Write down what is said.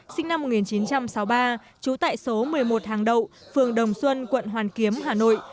sinh năm một nghìn chín trăm sáu mươi ba trú tại số một mươi một hàng đậu phường đồng xuân quận hoàn kiếm hà nội